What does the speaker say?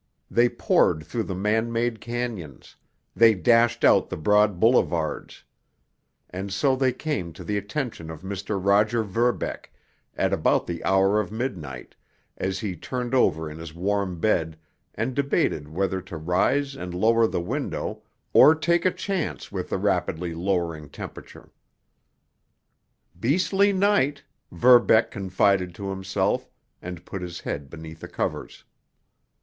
They poured through the man made cañons; they dashed out the broad boulevards—and so they came to the attention of Mr. Roger Verbeck, at about the hour of midnight, as he turned over in his warm bed and debated whether to rise and lower the window or take a chance with the rapidly lowering temperature. "Beastly night!" Verbeck confided to himself, and put his head beneath the covers.